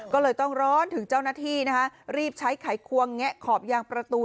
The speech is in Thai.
ก็เลยต้องร้อนถึงเจ้าหน้าที่นะคะรีบใช้ไขควงแงะขอบยางประตู